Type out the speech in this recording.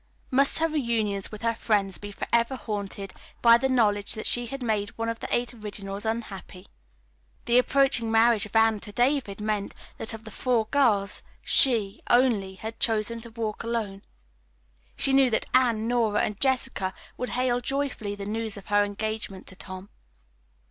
Must her reunions with her friends be forever haunted by the knowledge that she had made one of the Eight Originals unhappy? The approaching marriage of Anne to David meant, that of the four girls she, only, had chosen to walk alone. She knew that Anne, Nora and Jessica would hail joyfully the news of her engagement to Tom.